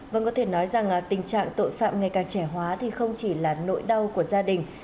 vâng có thể nói rằng tình trạng tội phạm ngày càng trẻ hóa thì không chỉ là nỗi đau của gia đình